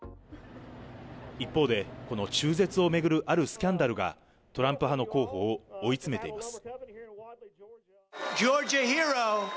一方で、この中絶を巡るあるスキャンダルが、トランプ派の候補を追い詰めています。